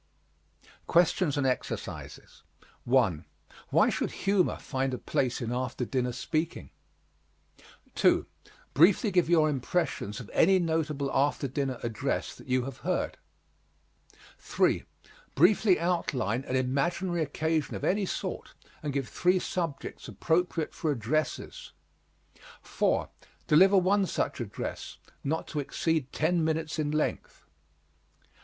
QUESTIONS AND EXERCISES 1. Why should humor find a place in after dinner speaking? 2. Briefly give your impressions of any notable after dinner address that you have heard. 3. Briefly outline an imaginary occasion of any sort and give three subjects appropriate for addresses. 4. Deliver one such address, not to exceed ten minutes in length.